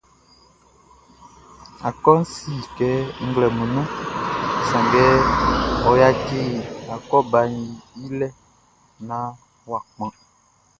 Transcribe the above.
Akɔʼn si kɛ nglɛmun nunʼn, sanngɛ ɔ yaci akɔbaʼn i lɛ naan ɔ kpan.